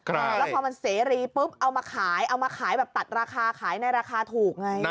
แล้วพอมันเสรีปุ๊บเอามาขายเอามาขายแบบตัดราคาขายในราคาถูกไง